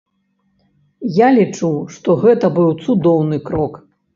Я лічу, што гэта быў цудоўны крок.